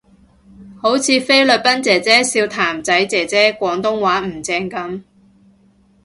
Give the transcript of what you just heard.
好似菲律賓姐姐笑譚仔姐姐廣東話唔正噉